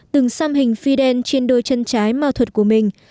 từng xăm hình fidel trên đôi chân trái ma thuật của mình